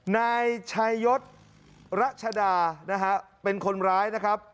นายชายศรัชดานะฮะเป็นคนร้ายนะครับ